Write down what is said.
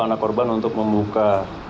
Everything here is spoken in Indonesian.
anak korban untuk membuka